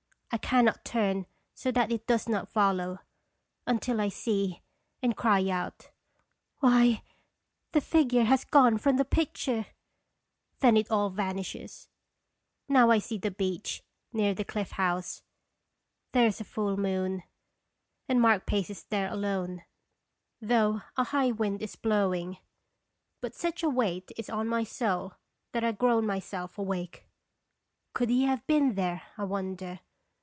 I can not turn so that it does not follow, until I see and cry out: " Why the figure has gone from the picture!" Then it all vanishes. Now 1 see the beach near the Cliff House. There is a full moon, and Mark paces there alone, though a high wind is blowing. But such a weight is on my soul that I groan myself awake. (Could he have been there, I wonder?